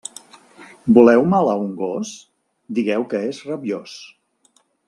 Voleu mal a un gos? Digueu que és rabiós.